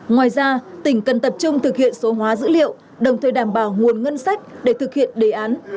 ngoài ra tỉnh cần tập trung thực hiện số hóa dữ liệu đồng thời đảm bảo nguồn ngân sách để thực hiện đề án